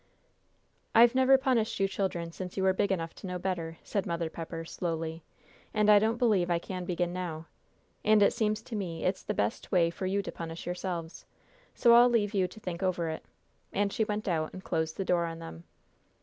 "I've never punished you children since you were big enough to know better," said Mother Pepper, slowly, "and I don't believe I can begin now. And it seems to me it's the best way for you to punish yourselves. So I'll leave you to think over it," and she went out and closed the door on them.